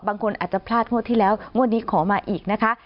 บางคนอาจจะพลาดงวดที่แล้วงวดนี้ขอมาอีกนะคะ